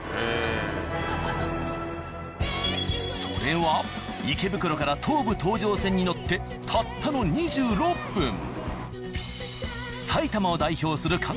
それは池袋から東武東上線に乗ってたったの２６分。